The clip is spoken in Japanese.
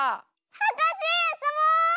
はかせあそぼう！